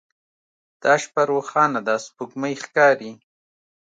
دا شپه روښانه ده سپوږمۍ ښکاري